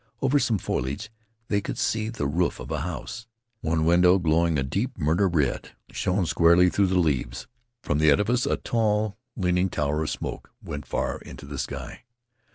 Over some foliage they could see the roof of a house. One window, glowing a deep murder red, shone squarely through the leaves. From the edifice a tall leaning tower of smoke went far into the sky.